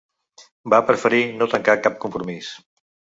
Va preferir no tancar cap compromís.